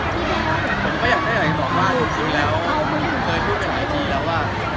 ผมก็อยากได้ให้บอกว่าจริงแล้ว